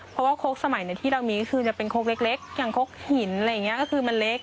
เพราะว่าโค้กสมัยที่เรามีก็คือจะเป็นโค้กเล็กอย่างคกหินอะไรอย่างนี้ก็คือมันเล็ก